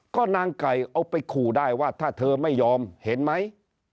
ก็นางไก่เอาไปขู่ได้ว่าถ้าเธอไม่ยอมเห็นไหม